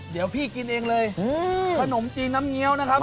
เดี๋ยวพี่กินเองเลยขนมจีนน้ำเงี้ยวนะครับ